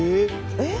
えっ？